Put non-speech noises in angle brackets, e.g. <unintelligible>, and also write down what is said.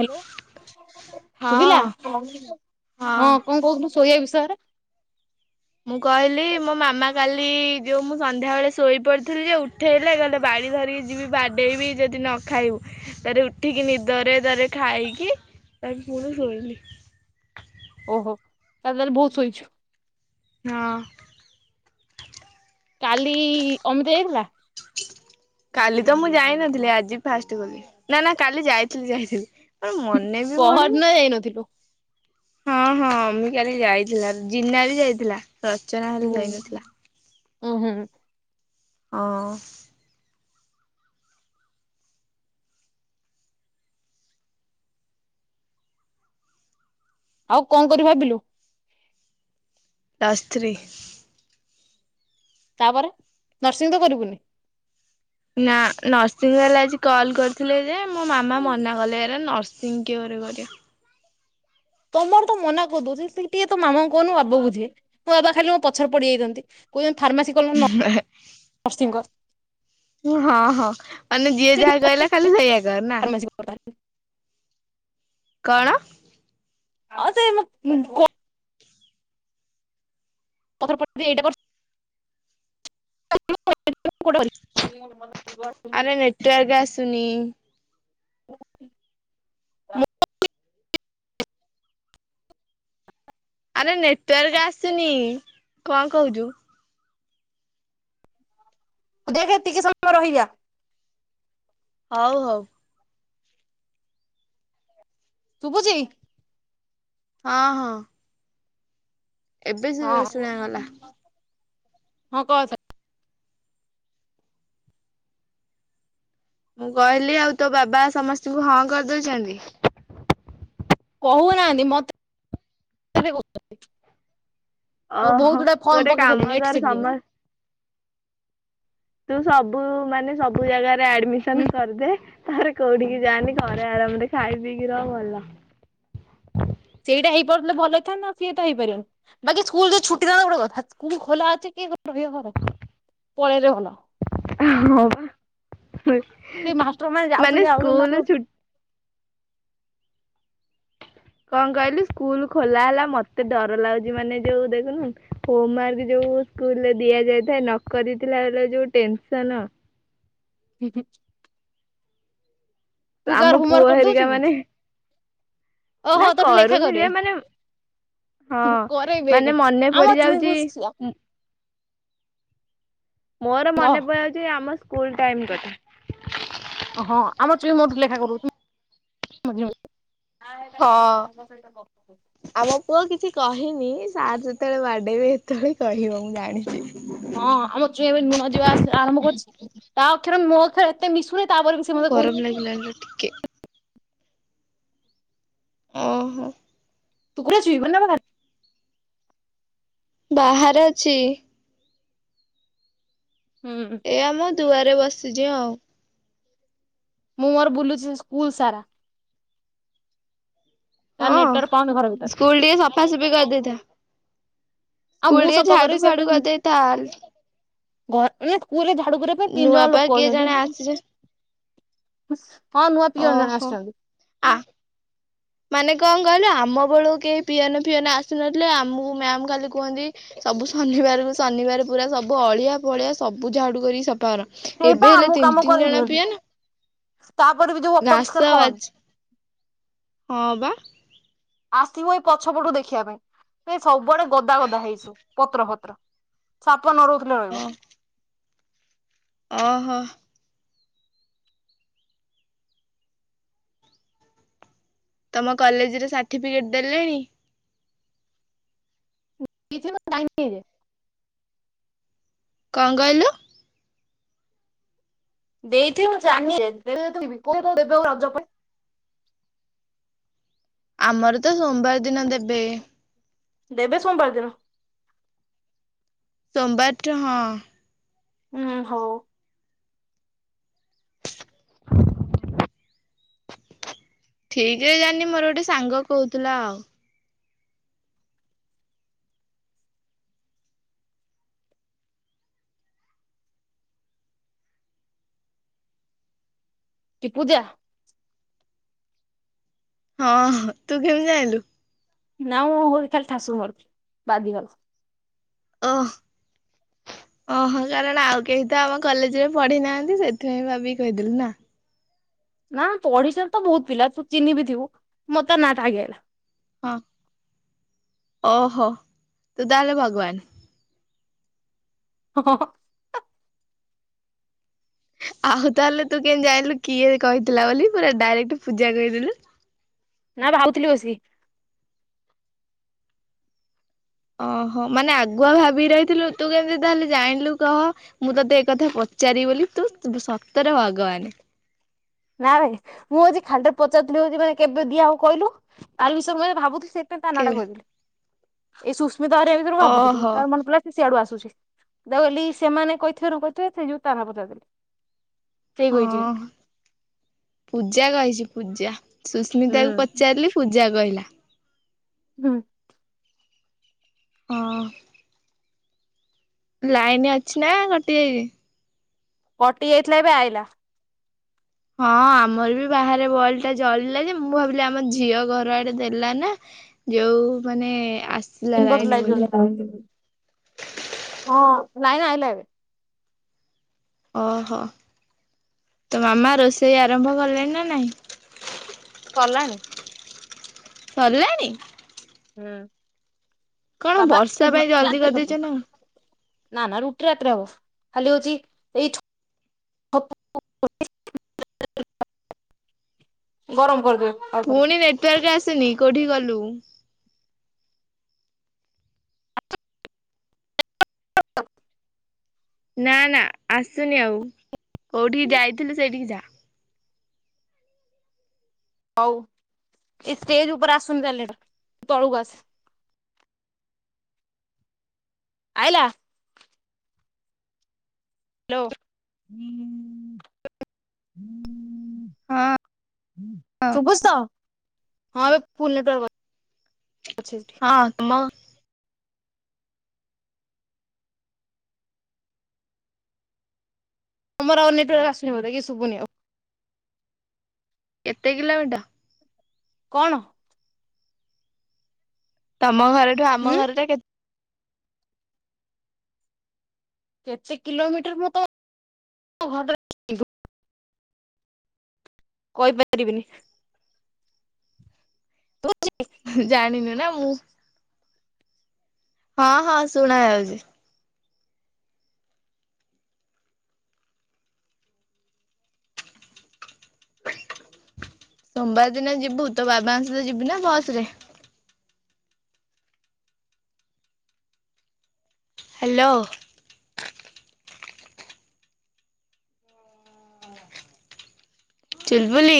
Hello. ଶୁଭିଲା ହଁ ହଁ କଣ କହୁଥିଲୁ ଶୋଇବା ବିଷୟରେ ମୁଁ କହିଲି ମୋ ମାମା କାଲି ଯେଉଁ ମୁଁ ସନ୍ଧ୍ୟାବେଳେ ଶୋଇପଡ଼ିଥିଲି ଯେ ଉଠେଇଲେ କାଲେ ବାଡ଼ି ଧରିକି ଯିବି ବାଡ଼େଇବି ଯଦି ନ ଖାଇବୁ ତାରେ ଉଠିକି ନିଦରେ ତାରେ ଖାଇକି ତା ପୁଣି ଶୋଇଲିି। ଓହୋ। ତାହେଲେ ତାହେଲେ ବହୁତ ଶୋଇଛୁ ହଁ। କାଲି ଅମିତି ହେଇଗଲା। କାଲି ତ ମୁଁ ଯାଇନଥିଲି ଆଜି ଫାଷ୍ଟ କଲି ନା ନା କାଲି ଯାଇଥିଲି ଯାଇଥିଲି। ମୋର ମନେ ବି ପହର ପଡୁନି। ନ ଯାଇନଥିଲୁ। ହଁ ହଁ ଆମ କାଲି ଯାଇଥିଲା ଜିନା ବି ଯାଇଥିଲା। ରଚନା ହେଲେ ଯାଇନଥିଲା। ଉଁ ହୁଁ। ହଁ। ଆଉ କଣ କରି ଭାବିଲୁ। ତା ସ୍ତ୍ରୀ ତାପରେ ନର୍ସିଂ ତ କରିବୁନି। ନା ନର୍ସିଂହ ବାଲା ଆଜି କଲ କରିଥିଲେ। ଯେ ମୋ ମାମା ମନା କଲେ ନ ି କି ଘରେ କରିବା। ତମର ତ ମନା କହୁଦଉ ଯେ ଟିକେ ତ ମାମା କହନୁ ବାବୁ ବୁଝିବେ ମୋ ବାବା ଖାଲି ମୋ ପଛରେ ପଡିଯାଇନ୍ତି କୁଛନ୍ତି। ଫାର୍ମାସି କଲ ନର୍ସିଂଙ୍କ କର। ହଁ ହଁ ମାନେ ଯିଏ ସେ ଯାହା କହିଲା ଖାଲି ସେଇଆ କର ନା ଫାର୍ମାସି <inaudible> କଣ? ଅ ସେ <unintelligible> ତା ପର ପର ବି ଏଇଟା କର <inaudible> କରିବୁ ଆରେ ନେଟୱାର୍କ ଆସୁନି। <inaudible> ଆରେ ନେଟୱାର୍କ ଆସିନି। କଣ କହୁଚୁ? ତୁ ଦେଖେ ଏତିକି ସମୟ ରହିଯା। ହଉ ହଉ। ଶୁଭୁଚି? ହଁ, ହଁ। ଏବେ ଯେ ହଁ ଶୁଣ ଗଲା। ହଁ କ ଏଥ ମୁଁ କହିଲି ଆଉ ତୋ ବାବା ସମସ୍ତଙ୍କୁ ହଁ କରିଦଉଚନ୍ତି। କହୁନାହାନ୍ତି ମୋତେ ବି କହୁ ନାହାନ୍ତି। ତୋ ଓହୋ ବହୁ ଗୁଡା ଫର୍ମ ଗୋଟେ ପକେଇ କାମ ସାରିଲେଣି ଏଠି କର ସେଠି ଯାଇ। ସମ ତୁ ସବୁ ମାନେ ସବୁ ଜାଗାର ରେ ଆଡମିସନ୍ ହୁଁ କରିଦେ ତାପରେ କୋଉଠିକି ଯାଆନି। ଘରେ ଆରାମରେ ଖାଇ ପିଇକି ରହ ଭଲ। ସେଇଟା ହେଇପାରୁଥିଲେ ଭଲ ହେଇଥାନ୍ତା, ଆଉ ସିଏ ତ ହେଇପାରିବନି ବାକି ସ୍କୁଲ୍ ତ ଛୁଟି ଥାଆନ୍ତା ଗୋଟେ କଥା, ସ୍କୁଲ୍ ଖୋଲା ଅଛି କିଏ ସେ ରହିବ ଘର, ପଳେଇଲେ ଭଲ। ଏ ହଁ ବା ହୁଁ, ସେ ମାଷ୍ଟର ମାନେ ଯାଉଛନ୍ତି ଆଉଛନ୍ତି ସ୍କୁଲ୍ ତାଙ୍କର ଛୁ କଣ କହିଲୁ ସ୍କୁଲ୍ ଖୋଲା ହେଲା ମୋତେ ଡର ଲାଗୁଚି, ମାନେ ଯୋଉ ଦେଖୁନୁ ହୋମୱାର୍କ ଯୋଉ ସ୍କୁଲ୍ ରେ ଦିଆଯାଇଥାଏ ନକରିଥିଲା ବେଳେ ଯୋଉ ଟେନସନ୍। ହୁଁ, ହୁଁ। ଆମ ପୁଅ ହେରିକା ମାନେ ଓହୋ ନା ତୋର ଲେଖା କରୁନି କରେ ଯେ ମାନେ ହଁ କରେଇବେ ମାନେ ମନେ ଆମ ପଡି ଚୁଇଁକୁ ଯାଉଚି ଉଁ ମୋର ମନେ ପଡିଯାଉଚି ଆମ ସ୍କୁୁଲ୍ ଟାଇମ୍ କଥା। ଓ ହଁ ଆମ ଚୁଇଁ ମୋଠୁ ଲେଖା କରଉଚି ମଝିରେ ମଝିରେ। ହଁ ଆମ ପୁଅ କିଛି କହିନି ସାର୍ ଯେତେବେଳେ ବାଡେଇବେ ତଳେ କହିବ ମୁଁ ଜାଣିଚି। ହଁ ଆମ ଚୁଇଁ ଏବେ ନୂଆଁ ଯିବା ଆସ ଆରମ୍ଭ କରିଛି। ତା ଅକ୍ଷରେ ମୋ ଅକ୍ଷର ଏତେ ମିଶୁନି। ତାପରେ ବି ସେ ମୋ ମତେ କହୁଛି ଗରମ ଲାଗିଲାଣି ସେଠି କେ ଓହୋ। ତୁ କରୁଛି <unintelligible> ବାହାରେ ଅଛି। ହୁଁ ଏ ଆମ ଦୁଆରେ ବସିଛି ଆଉ। ମୁଁ ମୋର ବୁଲୁଚି ସ୍କୁଲ୍ ସାରା। ତା ହଁ ନେଟୱାର୍କ ପାଉନି ଘର ଭିତରେ ସ୍କୁଲ ଟିକେ ସଫାସଫି କରିଦେଇଥା ଆଉ ମୁଁ ସ୍କୁଲ ଟେ ସଫା ଝାଡୁ ଫାଡୁ କରିଦେଇଥା ହେଲେ ଘ ନା ସ୍କୁଲ ନୂଆ ପା କିଏ ଜଣେ ଆସିଛେ ବସ୍ ହଁ ନୂଆ ପ୍ରିୟଜନ ଆସିଛନ୍ତି। ଆ ମାନେ କଣ କହିଲ ଆମ ବେଳକୁ କେହି ପିଆନୋ ଫିଆନ ଆସିୁନଥିଲେ ଆମକୁ ମ୍ୟାମ୍ ଖାଲି କୁହନ୍ତି ସବୁ ଶନିବାରକୁ ଶନିବାର ପୁରା ସବୁ ଅଳିଆ ପଳିଆ ସବୁ ଝାଡ଼ୁ କରିକି ସୁ ାର ସେଇ ପା ଏବେ ହେଲେ ଆମକୁ ତିନି କାମ ତିନି କରେଇ ଜଣ ଦିଅନ୍ତି ପିଅ ନା ତାପରେ ବି ଯ ଅପରିଷ୍କାର କଣ? ହଁ ବା ଆସିବୁ ଏଇ ପଛ ପଟୁ ଦେଖିବା ପାଇଁ ଏ ସବୁଆଡେ ଗଦା ଗଦା ହେଇଛୁ ପତ୍ର ପତ୍ର ସା ନ ରହୁଥିଲେ ରହିବ। ଓହୋ। ତମ କଲେଜରେ ସାର୍ଟିଫିକେଟ ଦେଲେଣି କିଯ କଣ ଙ୍ଗହିଲ ଦେଇଠି ଦେବେ ରାଜଜ ପାଇଁ ଆମର ତ ସୋମବାର ଦିନ ଦେବେ ଦେବେ ସୋମବାର ଦିନ ସୋମବାରଠ ହଁ। ହୁଁ ହଉ। ଠିକରେ ଜାଣି ମୋର ଗୋଟେ ସାଙ୍ଗ କହୁଥିଲା ଆଉ। କି ପୂଜା ହଁ ତୁ କେମ ଜାଇଲୁ ନଁ ହ ଖଲ ଠାସୁ ହି ବାଦି ଅଲ ଓ ଓହୋ କାରଣ ଆଉ କେହି ତ ଆମ କଲେଜରେ ପଢି ନାହାନ୍ତି ସେଥିପାଇଁ ଭାବିକି କହିଦେଲୁ ନା। ନା ଓଡିଶାରେ ତ ବହୁତ ପିଲା ତୁ ଚିହନି ବି ଥିବୁ ମତେ ନାଟ ଆଗି ହେଲା। ହଁ ଓହୋ ତୁ ତାଲ ଭଗବାନ ହଁ। ଆଉ ତାହେଲେ ତୁ କେମତି ଯାଇଲୁ କିଏ କହିଥିଲା ବୋଲି ପୁରା ଡାଇରେକ୍ଟ ପୂଜା କହିଦେଲୁ ନା ଭାବଥିଲି ବସିକ ଓହୋ ମାନେ ଆଗୁଆ ଭାବି ରହିଥିଲୁ ତୁ କେମିତି ତାହେଲେ ଜାଣିଲୁ କହ ମୁଁ ତୋତେ ଏଥା ପଚାରିବି ବୋଲି ତୁ ସତରେ ଭଗବାନ ନା ଭାଇ ମୁଁ ଆଜି ଖାଲିରେ ପଚାରୁଥିଲିଉ ମାନେ କେବେ ଦିଆ ହଉ କହିଲୁ ତାର ବିଷୟରେ ମୁଁ ଭାବୁଥିଲି। ସେତ କେବେ ତାନଡ଼କୁଦି ଏ ସ୍ମ ଭିତରୁ ଭାବୁଥିଲି ଓହୋ ତ ମନଲାିଲ ସଆଡ ଆସୁଛି। ଦେଲି ସେମାନେ କହିଥିବାରୁ କହିଥିବେ ସେ ଜୋତା ନ ପଚ ଦେ ସେଇ କହିଛି। ହଁ ପୂଜା କହିଛି ପୂଜା ସୁସ୍ମିତା କ ପଚାରିଲି ପୂଜା କହିଲା ହଁ। ହ ଲାଇନ ଅଛି ନା କଟିଯାଇଛି। କଟି ଯାଇଥିଲା ଏବେ ଆଇଲା। ହଁ ଆମର ବି ବାହାରେ ବଲ ଟା ଜଳିଲା ଯେ ମୁଁ ଭାବିଲି ଆମ ଝିଅ ଘର ଆଡେ ଦେଲ ନା ଯୋଉ ମାନେ ଆସିଲା ନପ ହଁ। ଲାଇନି ଲାଇନ ବୋଲି ଆଇିଲା ଏବେ। ଓହୋ ତ ମାମା ରୋଷେଇ ଆରମ୍ଭ କଲେଣି ନା ନାଇଁ? କଲାଣି। ସରିଲାଣି? ହୁଁ। କଣ ବାବା ବର୍ଷା ପାଇଁ ରୁଟି ଜଲଦି ରାତିରେ କରିଦେଇଛ ହବ ନା। ନା ନା ରୁଟି ରାତି୍ରେ ହବ ଖାଲି ହଉଛି ଏଇଠ ଗରମ କରିଦବେ। ପୁଣି ନେଟବର୍କ ଆ ଆନି କୋଉଠି ଗଲୁ। ହ ନା ନା ଆସୁନି ଆଉ କୋଉଠିକି ଯାଇଥିଲୁ ସେଇଠିକି ଯା। ହଉ ଏ ଷ୍ଟେଜ ଉପରେ ଆସୁନିତାଲେ ଏଟା ତୁ ତଳକୁ ଆସେ। ଆଇଲା। ହ୍ୟାଲୋ। ହଁ ହଁ ଶୁଭୁଛି ତ? ହଁ ଏବେ ଫୁଲ ନେଟୱାର୍କ ଆ ହଁ ତମ ତମର ଆଉ ନେଟୱର୍କ ଆସନି ବୋଧ କି ଶୁଭୁନି ଆଉ। କେତେ କିଲମିଟା କଣ? ଆମ ଘରଠୁ ଆମ ହୁଁ ଘରଟା କେତେ କେତେ କିଲୋମିଟର ମୁଁ ତ କଇ ପାରିବିନି। ଜାଣିନୁ ନା। ହଁ। ହଁ ହଁ ଶୁଣା ଯାଉଛି। ସୋମବାର ଦିନ ଯିବୁ ତୋ ବାବାଙ୍କ ସହିତ ଯିବୁ ନା ବସ ରେ? ହ୍ୟାଲୋ। ଚୁଲ୍ ବୁଲି